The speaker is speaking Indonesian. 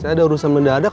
saya ada urusan mendadak